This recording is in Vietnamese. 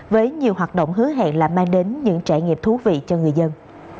với nhiều hoạt động hứa hẹn là mang đến những trải nghiệm thú vị cho người dân